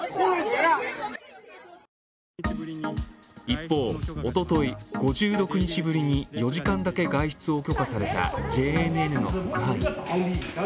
一方、おととい、５６日ぶりに４時間だけ外出を許可されたＪＮＮの特派員。